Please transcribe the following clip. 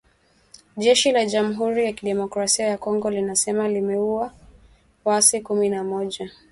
Jeshi la Jamhuri ya kidemocrasia ya Kongo linasema limeua waasi kumi na moja.